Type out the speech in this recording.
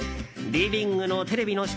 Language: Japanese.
リビングのテレビの下。